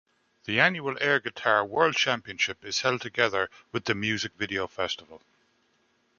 The annual Air Guitar World Championship is held together with the music video festival.